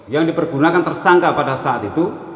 yang dipergunakan tersangka pada saat itu